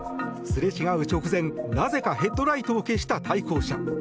すれ違う直前、なぜかヘッドライトを消した対向車。